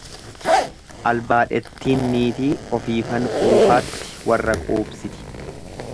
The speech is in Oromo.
Albaadhettiin niitii ofiifan quufaatti warra quubsiti.